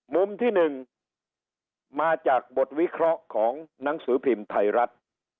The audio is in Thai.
มุมที่๑มาจากบทวิเคราะห์ของหนังสือพิมพ์ไทยรัฐ